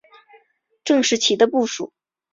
郑士琦的部属。